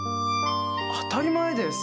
当たり前です！